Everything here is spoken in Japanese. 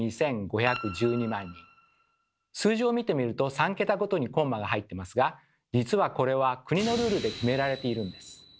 数字を見てみると３桁ごとにコンマが入ってますが実はこれは国のルールで決められているんです。